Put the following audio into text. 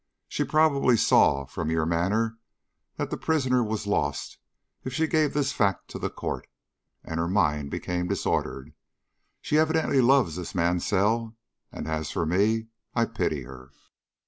"She probably saw from your manner that the prisoner was lost if she gave this fact to the court, and her mind became disordered. She evidently loves this Mansell, and as for me, I pity her."